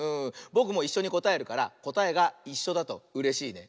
ぼくもいっしょにこたえるからこたえがいっしょだとうれしいね。